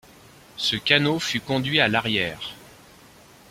Ce canot fut conduit à l’arrière